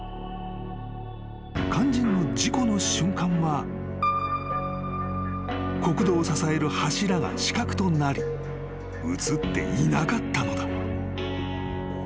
［肝心の事故の瞬間は国道を支える柱が死角となり写っていなかったのだ］